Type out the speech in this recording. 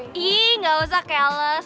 ih gak usah keles